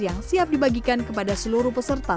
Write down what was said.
yang siap dibagikan kepada seluruh peserta